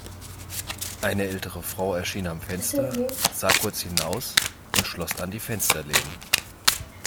Eine ältere Frau erschien am Fenster, sah kurz hinaus und schloss dann die Fensterläden.